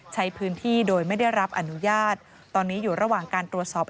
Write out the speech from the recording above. ใช้พื้นที่โดยไม่ได้รับอนุญาตตอนนี้อยู่ระหว่างการตรวจสอบ